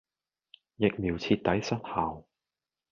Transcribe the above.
疫苗徹底失效